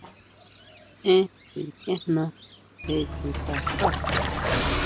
¿Èn sikiejna jé chuta xá?